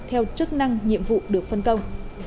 theo chức năng nhiệm vụ được phân công